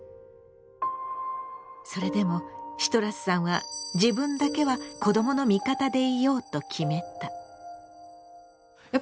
それでもシトラスさんは自分だけは子どもの味方でいようと決めた。